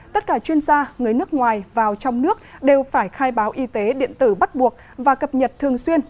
tất cả chuyên gia người nước ngoài vào trong nước đều phải khai báo y tế điện tử bắt buộc và cập nhật thường xuyên